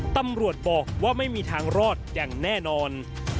ตำรวจบอกว่าไม่มีทางรอดอย่างแน่นอน